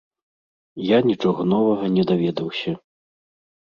Я нічога новага не даведаўся.